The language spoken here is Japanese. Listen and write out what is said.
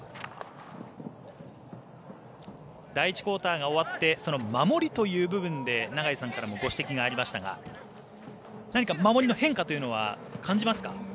第１クオーターが終わって守りという部分で永井さんからもご指摘がありましたが何か守りの変化というのは感じますか？